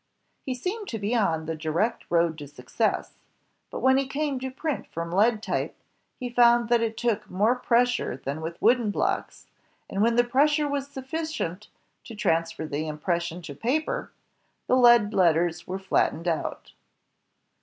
He seemed to be on the direct road to success, but when he came to print from lead type, he foimd that it took more pressure than with wooden blocks, and when the pressure was suflScient to transfer the impression to the paper, the lead letters were flattened out.